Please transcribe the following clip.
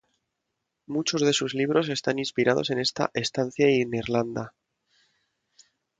Muchos de sus libros están inspirados en esta estancia en Irlanda.